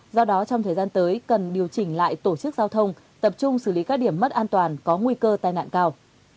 do đó trong thời gian tới cần điều chỉnh lại tổ chức giao thông tập trung xử lý các điểm mất an toàn có nguy cơ tai nạn cao